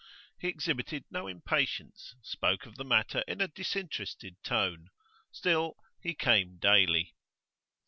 He exhibited no impatience, spoke of the matter in a disinterested tone; still, he came daily.